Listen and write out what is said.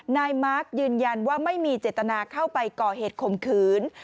นายมาร์คยืนยันว่าไม่มีเจตนาเข้าไปก่อเหตุข่มขืน